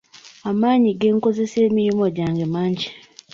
Amaanyi ge nkozesa emirimu gyange mangi.